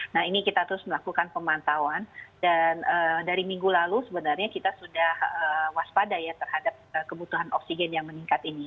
nah ini kita terus melakukan pemantauan dan dari minggu lalu sebenarnya kita sudah waspada ya terhadap kebutuhan oksigen yang meningkat ini